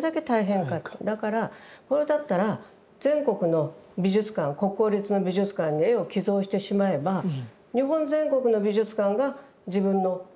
だからそれだったら全国の美術館国公立の美術館に絵を寄贈してしまえば日本全国の美術館が自分の美術館になるじゃないか。